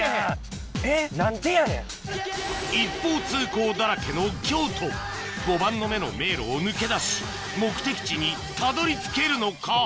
一方通行だらけの京都碁盤の目の迷路を抜け出し目的地にたどり着けるのか？